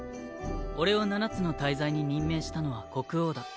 俺を七つの大罪に任命したのは国王だ。